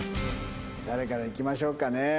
誰からいきましょうかね？